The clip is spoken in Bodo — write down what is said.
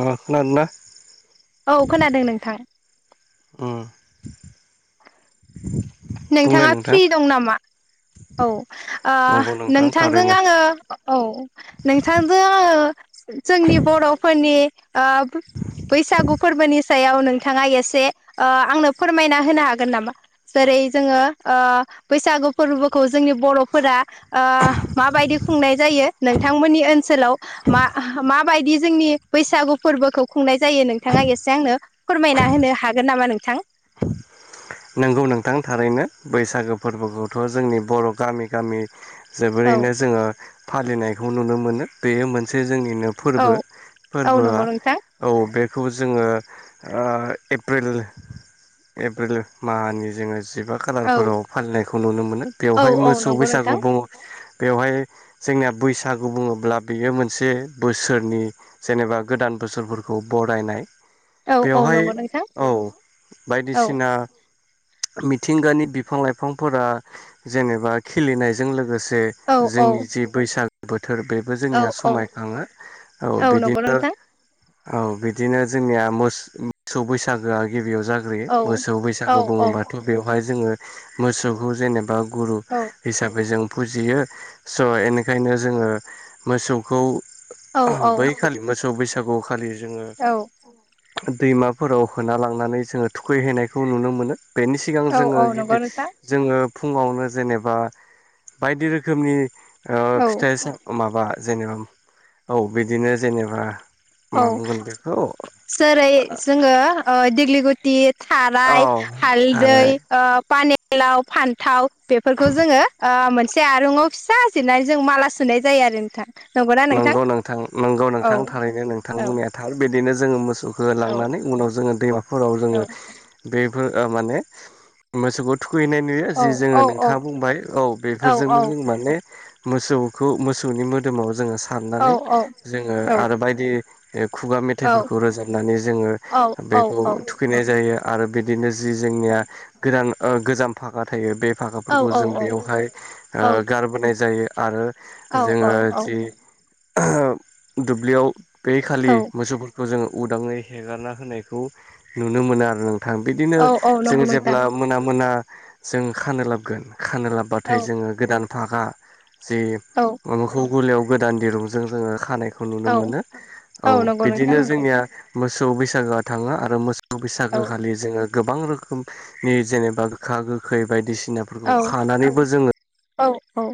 अ खोनादोंना? औ खोनादों नोंथां अ नोंथाङा फ्रि दं नामा? औ ओ नंगौ नोंथां नोंथांजों थारैनो आङो औ नोंथांजों आङो जोंनि बर'फोरनि ओ बो बैसागु फोरबोनि सायावनो नोङा एसे ओ आंनो फोरमायना होनो हागोन नामा जेरै जोङो ओ बैसा गु फोरबोखौ जोंनि बर'फोरा ओ माबायदि खुंनाय जायो नोंथांमोननि ओनसाव मा ओ मा बायदि जोंनि बैसागु फोरबोखौ खुंनाय जायो नोंथाङा एसे आंनो फोरमायना होनो हागोन नामा नों थां नोंगौ नोंथां थारैनो बैसागो फोरबोखौथ' जोंनि बर' गामि गामि औ जोबोरैनो जोङो फालिनायखौ नुनो मोनो। बेयो मोनसे जोंनिनो औ फोरबो औ फोरबोआ नंगौ नोंथां औ बे खौ ओ जोङो एप्रिल मानि जोङो जिबा औ खालारफोराव फालिनायखौ नुनो मोनो। औ बेवहाय औ मोसौ नंगौ बैसागु नोंथां बु बेवहाय जोंनिया बैसागु बुङोब्ला बेयो मोनसे बोसोरनि जेनेबा गोदान बोसोरफोरखौ बरायनाय औ औ बेवहाय नंगौ नोंथां औ औ बायदिसिना मिथिंगानि बिफां-लाइफांफोरा जेनेबा खिलिनायजों लोगो से औ औ जोंनि जि बैसागो बो थोर बेबो औ जोंनिया औ समायखाङो ।औ नंगौ बिदिनो नोंथां औ बिदिनो जोंनिया मोसौ बैसागोआ गिबियाव जाग्रोयो। औ मोसौ बैसा औ औ बुङोबाथ' बेवहाय जोङो मोसौखौ जेनेबा गुरु औ हिसाबै जों फुजियो स' एनिखायनो जोङो मोसौखौ औ । बै खालि मोसौ बैसागु खालि जोङो औ दैमाफोराव होना लांनानै जोङो थुखैहैनायखौ नुनो मो बेनि सिगां औ जोङो औ नंगौ गिबि नोंथां जोङो फुङावनो जेनेबा बायदि रोखोमनि ओ औ फिथाइ ओ माबा जेनेबा औ बिदिनो जेनेबा औ मा बुंगोन बेखौ जेरै जोङो ओ दिग्लि गुटि औ थाराय, हालदै थारै ओ पानिलाव, फान्थाव बेफोरखौ जोङो ओ मोनसे आरूङाव फिसा जिरनानै जों माला सुनाय जायो आरो नोंथां। नंगौ नोंथां नंगौ औ नोंथां थारैनो नोंथां औ बुंनाया थार बिदिनो जोङो मो सौखौ औ लांनानै उनाव जोङो दैमाफोराव जोङो औ बेफोर ओ माने मोसौखौ थुखैनाय नुयो औ जि जोङो औ नोंथाङा बुंबाय औ औ बेफोरजोंनो जों माने मोसौखौ मोसौनि मोदोमाव जोङो औ सारनानै औ जोङो औ आरो बायदि खुगा औ मेथाइफोरखौ रोजाबनानै जोङो बेखौ औ थुखैनाय जायो आरो बिदिनो जि औ जोंनिया गोदान ओ गोजाम भाखा थायो बे औ भाखाफोरखौ औ जों बेयावहाय ओ गारबोनाय जायो आरो जोङो जि दुब्लियाव बे खालि औ मोसौफोरखौ जों उदाङै हेगारना होनायखौ नुनो मोनो आरो नों थां बिदिनो औ औ जों नंगौ नोंथां जेब्ला मोना मोना जों खानो लाबगोन खानो लाब्बाथाय औ जोङो गोदान फागा जे औ माबाखौ गलियाव गोदान दिरुंजों जोङो खानायखौ नुनो औ मोनो। औ नंगौ नोंथां बिदिनो नंगौ जोंनिया मोसौ बैसागोआ थाङो आरो मोसौ बैसागो औ खालि जोङो गोबां रोखोमनि जेनेबा गोखा गोखै बायदिसिनाफोरखौ औ खानानैबो जोङो औ औ।